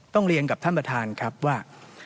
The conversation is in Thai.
เรียนกับท่านประธานครับว่า